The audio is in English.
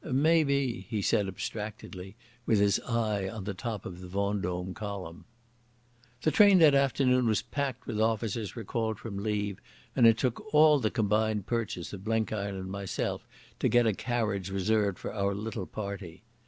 "Maybe," he said abstractedly, with his eye on the top of the Vendome column. The train that afternoon was packed with officers recalled from leave, and it took all the combined purchase of Blenkiron and myself to get a carriage reserved for our little party.